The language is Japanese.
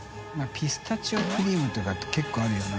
ピスタチオクリームとか結構あるよな。